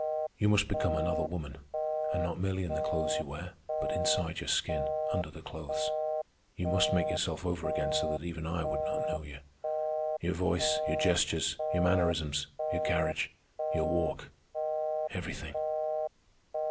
You must become another woman—and not merely in the clothes you wear, but inside your skin under the clothes. You must make yourself over again so that even I would not know you—your voice, your gestures, your mannerisms, your carriage, your walk, everything."